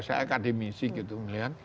saya akademisi gitu